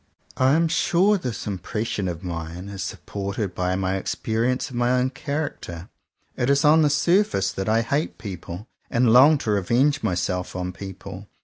I am sure this impression of mine is sup ported by my experience of my own character. It is on the surface that I hate people and long to revenge myself on people.